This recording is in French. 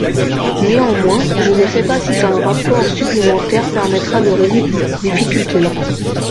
Néanmoins, je ne sais pas si un rapport supplémentaire permettra de résoudre cette difficulté-là.